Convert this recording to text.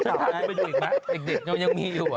ฉันพาไปดูอีกมั้ยเด็กยังมีอยู่